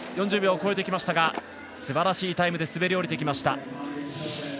４０秒を超えてきましたがすばらしいタイムで滑り降りてきました。